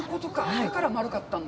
だから丸かったんだ。